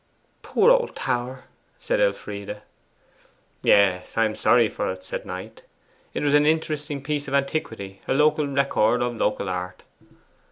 'Poor old tower!' said Elfride. 'Yes, I am sorry for it,' said Knight. 'It was an interesting piece of antiquity a local record of local art.